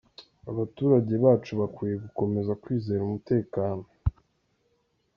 Abaturage bacu bakwiye gukomeza kwizera umutekano.”